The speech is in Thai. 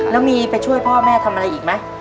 แล้วมีไปช่วยพ่อแม่ทำอะไรอีกไหม